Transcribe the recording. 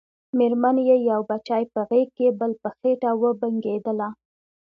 مېرمن يې يو بچی په غېږ کې بل په خېټه وبنګېدله.